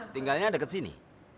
tinggalnya deket sini